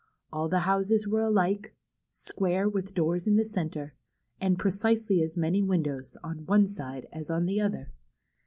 All the houses were alike, square, with doors in the centre, and precisely as many windows on one side as on the other.